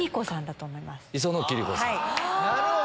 なるほど！